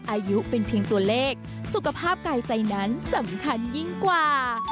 อายุเป็นเพียงตัวเลขสุขภาพกายใจนั้นสำคัญยิ่งกว่า